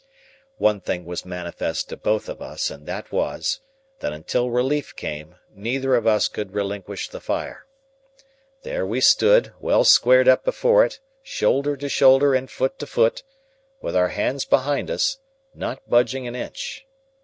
One thing was manifest to both of us, and that was, that until relief came, neither of us could relinquish the fire. There we stood, well squared up before it, shoulder to shoulder and foot to foot, with our hands behind us, not budging an inch.